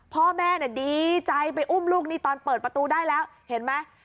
พ่อแม่ดีใจไปอุ้มลูกนี่ตอนเปิดประตูได้แล้วเห็นไหม